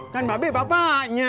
kan bape bapaknya